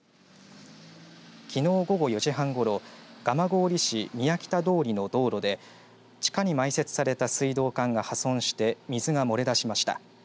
きのう午後４時半ごろ蒲郡市三谷北通の道路で地下に埋設された水道管が破損して水が漏れ出しました。